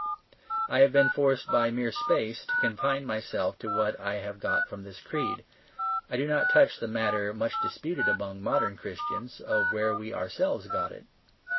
I have been forced by mere space to confine myself to what I have got from this creed; I do not touch the matter much disputed among modern Christians, of where we ourselves got it.